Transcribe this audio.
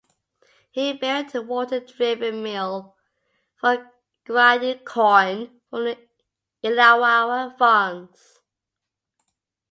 He built a water-driven mill for grinding corn from the Illawarra farms.